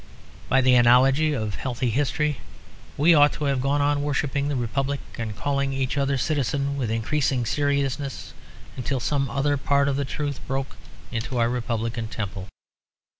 By the analogy of healthy history we ought to have gone on worshipping the republic and calling each other citizen with increasing seriousness until some other part of the truth broke into our republican temple.